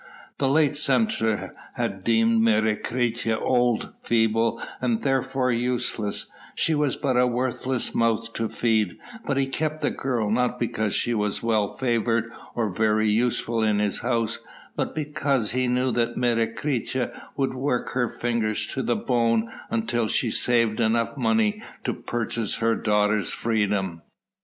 The late censor had deemed Menecreta old, feeble, and therefore useless: she was but a worthless mouth to feed; but he kept the girl not because she was well favoured or very useful in his house, but because he knew that Menecreta would work her fingers to the bone until she saved enough money to purchase her daughter's freedom.